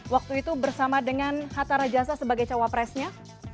waktu itu bersama dengan hatta rajasa sebagai cawapresnya